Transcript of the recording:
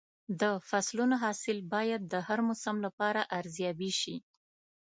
د فصلونو حاصل باید د هر موسم لپاره ارزیابي شي.